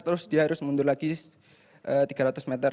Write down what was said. terus dia harus mundur lagi tiga ratus meter